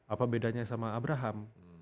apa bedanya sama abraham